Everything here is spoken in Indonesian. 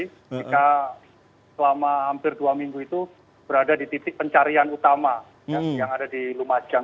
ketika selama hampir dua minggu itu berada di titik pencarian utama yang ada di lumajang